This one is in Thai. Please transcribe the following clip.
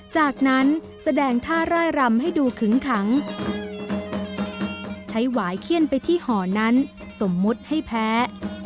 จากนั้นแสดงท่าร่ายรำให้ดูขึงขังใช้หวายเขี้ยนไปที่ห่อนั้นสมมุติให้แพ้